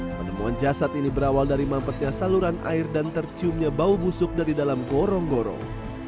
penemuan jasad ini berawal dari mampetnya saluran air dan terciumnya bau busuk dari dalam gorong gorong